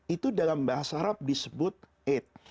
itu dalam bahasa arab disebut aid